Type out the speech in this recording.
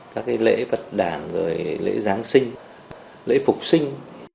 các lễ vật đảng lễ giáng sinh lễ phục sinh